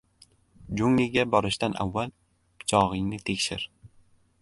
• Jungliga borishdan avval pichog‘ingni tekshir.